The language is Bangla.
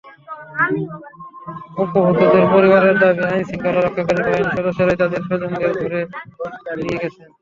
অপহূতদের পরিবারের দাবি, আইনশৃঙ্খলা রক্ষাকারী বাহিনীর সদস্যরাই তাঁদের স্বজনদের ধরে নিয়ে গেছেন।